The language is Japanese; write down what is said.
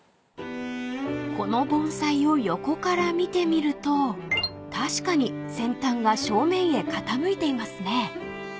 ［この盆栽を横から見てみると確かに先端が正面へ傾いていますね］